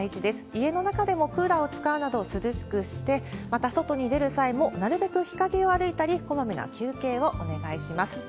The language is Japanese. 家の中でもクーラーを使うなど涼しくして、また外に出る際も、なるべく日陰を歩いたり、こまめな休憩をお願いします。